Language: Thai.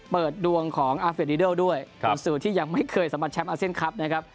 เปิดดวงของด้วยครับสูตรที่ยังไม่เคยสำหรับนะครับ